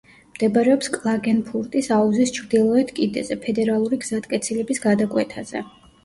მდებარეობს კლაგენფურტის აუზის ჩრდილოეთ კიდეზე, ფედერალური გზატკეცილების გადაკვეთაზე.